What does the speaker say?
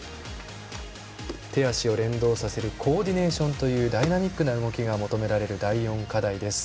手足を連動させるコーディネーションというダイナミックな動きが求められる第４課題です。